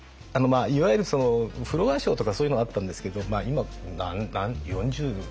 いわゆるフロア・ショーとかそういうのがあったんですけど４５４６年前かな。